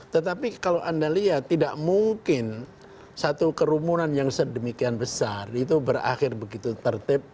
tetapi kalau anda lihat tidak mungkin satu kerumunan yang sedemikian besar itu berakhir begitu tertib